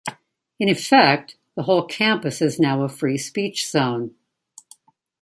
In effect, the whole campus is now a 'free-speech zone.